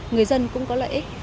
người dân cũng có lợi ích